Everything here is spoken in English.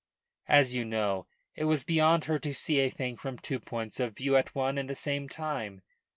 As you know, it was beyond her to see a thing from two points of view at one and the same time.